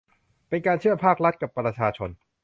เป็นการเชื่อมภาครัฐกับประชาชน